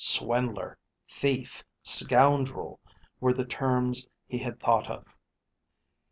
"Swindler, thief, scoundrel," were the terms he had thought of.